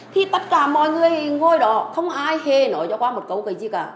thì tất cả mọi người ngồi đó không ai hề nói cho qua một câu cậu gì cả